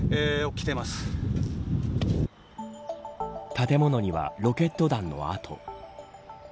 建物にはロケット弾の跡。